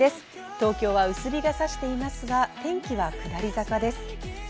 東京は薄日が差していますが、天気は下り坂です。